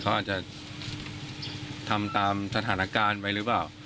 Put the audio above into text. เขาอาจจะทำตามสถานการณ์ไปหรือเปล่า